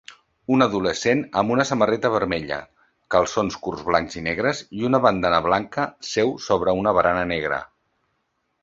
Un adolescent amb una samarreta vermella, calçons curts blancs i negres i una bandana blanca seu sobre una barana negra.